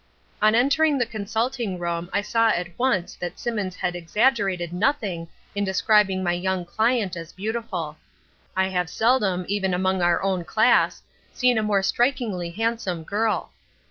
"On entering the consulting room I saw at once that Simmons had exaggerated nothing in describing my young client as beautiful. I have seldom, even among our own class, seen a more strikingly handsome girl.